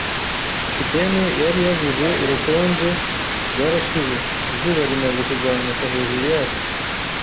capitaine yari yavuze, ubukonje bwarashize. Izuba rimaze kuzamuka hejuru yacu